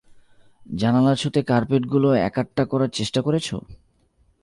জানালা ছুতে কার্পেটগুলো একাট্টা করার চেষ্টা করেছো?